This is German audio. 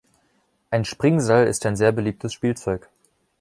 Ein Springseil ist ein sehr beliebtes Spielzeug